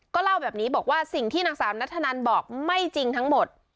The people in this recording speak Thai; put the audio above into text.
เล่าแบบนี้บอกว่าสิ่งที่นางสาวนัทธนันบอกไม่จริงทั้งหมด